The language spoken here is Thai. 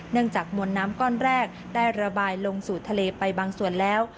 จากมวลน้ำก้อนแรกได้ระบายลงสู่ทะเลไปบางส่วนแล้ว